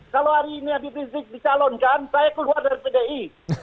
kalau hari ini habib rizik dicalonkan saya keluar dari pdi